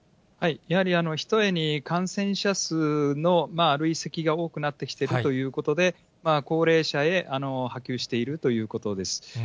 やはりひとえに感染者数の累積が多くなってきてるということで、高齢者へ波及しているということです。